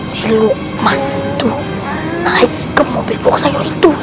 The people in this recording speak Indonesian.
si luqman itu naik ke mobil box saya itu